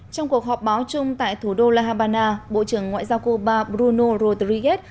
trong cuộc họp báo chung tại thủ đô la habana bộ trưởng ngoại giao cô ba bruno rodriguez